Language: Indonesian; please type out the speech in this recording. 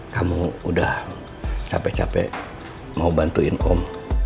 kamu udah capek capek mau bantuin om